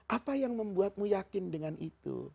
apa yang membuatmu yakin dengan itu